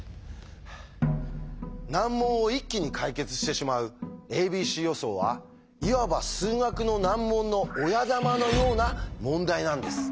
難問を一気に解決してしまう「ａｂｃ予想」はいわば数学の難問の親玉のような問題なんです。